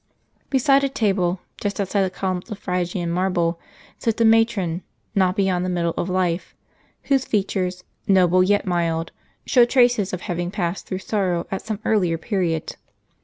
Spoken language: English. Beside a table, just outside the columns of Phrygian mar ble, sits a matron not beyond the middle of life, whose feat ures, noble yet mild, show traces of having passed through sorrow at some earlier period.